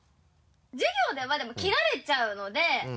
授業ではでも切られちゃうので。